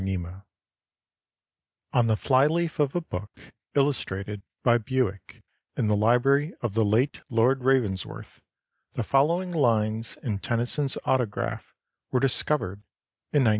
XLII [On the fly leaf of a book illustrated by Bewick, in the library of the late Lord Ravensworth, the following lines in Tennyson's autograph were discovered in 1903.